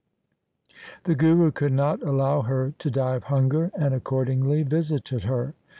The Guru could not allow her to die of hunger, and accordingly visited her.